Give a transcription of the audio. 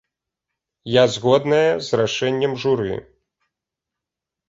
Я згодная з рашэннем журы.